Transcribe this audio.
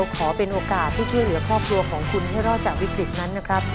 ขอเป็นโอกาสที่ช่วยเหลือครอบครัวของคุณให้รอดจากวิกฤตนั้นนะครับ